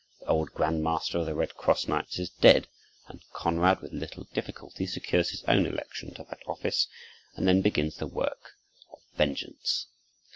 The old grand master of the Red Cross knights is dead, and Konrad with little difficulty secures his own election to that office; and then begins the work of vengeance.